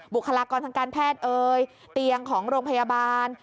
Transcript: บุคลากรทางการแพทย์เอ่ยเตียงของโรงพยาบาล